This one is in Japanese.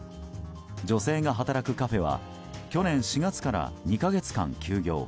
女性が働くカフェは去年４月から２か月間休業。